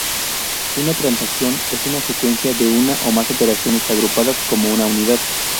Una transacción es una secuencia de una o más operaciones agrupadas como una unidad.